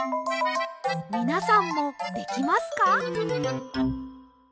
みなさんもできますか？